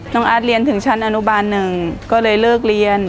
น้องอาร์ดเรียนถึงชั้นอนุบาลหนึ่งก็เลยเลิกเรียน